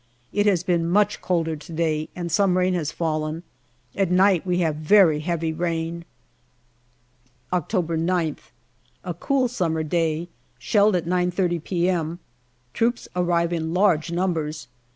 It has been much colder to day, and some rain has fallen. At night we have very heavy rain. October 9th. A cool summer day. Shelled at 9.30 p.m. Troops arrive in large numbers.